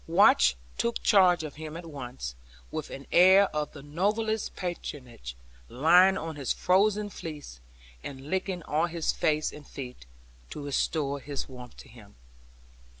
Watch took charge of him at once, with an air of the noblest patronage, lying on his frozen fleece, and licking all his face and feet, to restore his warmth to him.